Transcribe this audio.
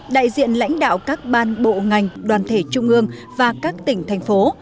đại diện lãnh đạo các ban bộ ngành đoàn thể trung ương và các tỉnh thành phố